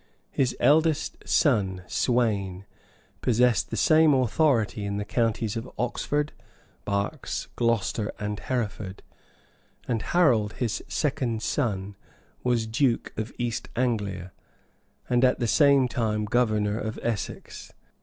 His eldest son, Sweyn, possessed the same authority in the counties of Oxford, Berks, Glocester, and Hereford; and Harold, his second son, was duke of East Anglia, and at the same time governor of Essex.